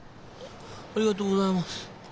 ありがとうございます。